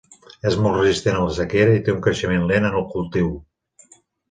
És molt resistent a la sequera i té un creixement lent en el cultiu.